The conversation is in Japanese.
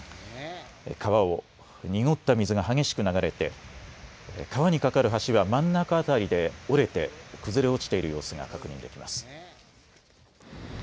川を濁った水が激しく流れて川に架かる橋は真ん中辺りで折れて崩れ落ちている様子が確認できます。